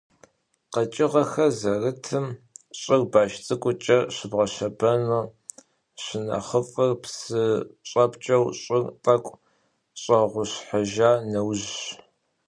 Къэкӏыгъэхэр зэрытым щӏыр баш цӏыкӏукӏэ щыбгъэщэбэну щынэхъыфӏыр псы щӏэпкӏэу щӏыр тӏэкӏу щӏэгъущхьэжа нэужьщ.